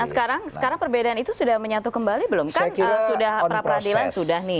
nah sekarang perbedaan itu sudah menyatu kembali belum